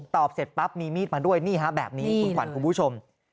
ตอบเสร็จปั๊บมีมีดมาด้วยนี่ฮะแบบนี้คุณขวัญคุณผู้ชม